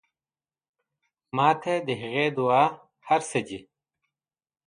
ما له د هغې دعا هر سه دي.